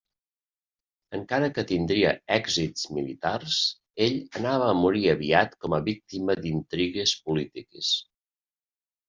Encara que tindria èxits militars, ell anava a morir aviat com a víctima d'intrigues polítiques.